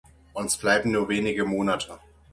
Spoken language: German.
Uns bleiben nur wenige Monate.